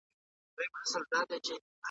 صحيح ځای تر ناسم ځای غوره دی.